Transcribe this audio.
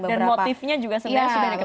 motifnya juga sebenarnya sudah diketahui